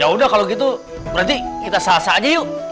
yaudah kalau gitu berarti kita salsa aja yuk